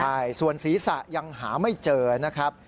ใช่ส่วนศีรษะยังหาไม่เจอนะครับ